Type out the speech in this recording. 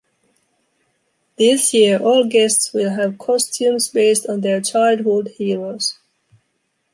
This year all guests will have costumes based on their childhood heroes.